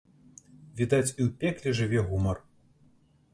Відаць, і ў пекле жыве гумар.